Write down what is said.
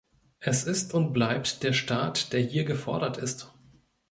Es ist und bleibt der Staat, der hier gefordert ist.